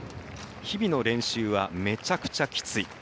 日々の練習はめちゃくちゃきつい。